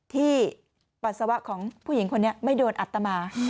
ปัสสาวะของผู้หญิงคนนี้ไม่โดนอัตมา